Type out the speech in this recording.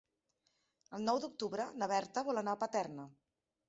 El nou d'octubre na Berta vol anar a Paterna.